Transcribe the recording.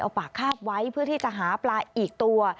เอาปากคาบไว้เพื่อที่จะหาปลาอีกตัว